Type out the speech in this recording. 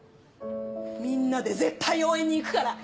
みんなで絶対応援に行くから！